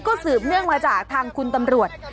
ก็สืบเนื่องมาจากทางคุณตำรวจ